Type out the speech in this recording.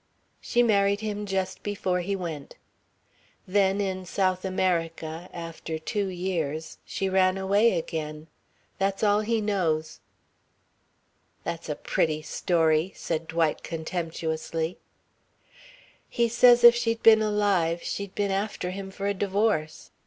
She married him just before he went. Then in South America, after two years, she ran away again. That's all he knows." "That's a pretty story," said Dwight contemptuously. "He says if she'd been alive, she'd been after him for a divorce.